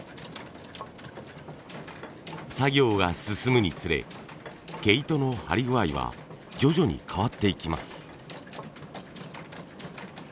作業が進むにつれ毛糸の張り具合は徐々に変わっていきます。